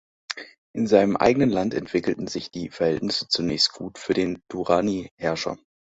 In seinem eigenen Land entwickelten sich die Verhältnisse zunächst gut für den Durrani-Herrscher.